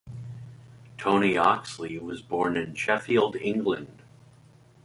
Tony Oxley was born in Sheffield, England.